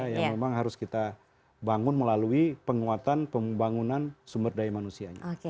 yang memang harus kita bangun melalui penguatan pembangunan sumber daya manusianya